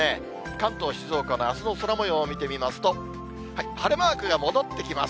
関東、静岡のあすの空もようを見てみますと、晴れマークが戻ってきます。